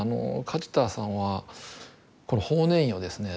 梶田さんはこの法然院をですね